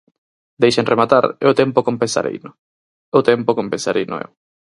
Deixen rematar e o tempo compensareino; o tempo compensareino eu.